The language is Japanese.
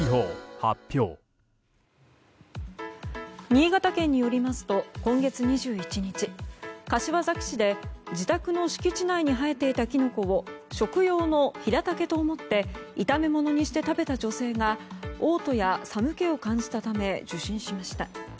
新潟県によりますと今月２１日柏崎市で、自宅の敷地内に生えていたキノコを食用のヒラタケと思って炒め物にして食べた女性が嘔吐や寒気を感じたため受診しました。